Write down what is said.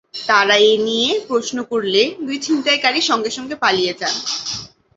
তাঁরা এ নিয়ে প্রশ্ন করলে দুই ছিনতাইকারী সঙ্গে সঙ্গে পালিয়ে যান।